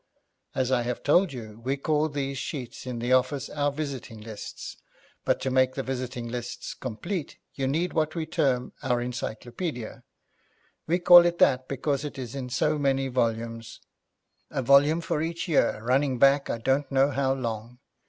As I have told you, we call these sheets in the office our visiting lists, but to make the visiting lists complete you need what we term our encyclopaedia. We call it that because it is in so many volumes; a volume for each year, running back I don't know how long.